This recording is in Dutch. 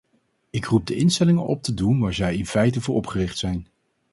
Ik roep de instellingen op te doen waar zij in feite voor opgericht zijn.